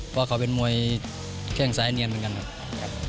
เพราะเขาเป็นมวยแข้งซ้ายเนียนเหมือนกันครับ